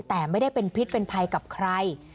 แต่ไม่ได้เป็นพิษเป็นภัยกับใคร